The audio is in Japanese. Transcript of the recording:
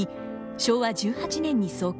昭和１８年に創刊。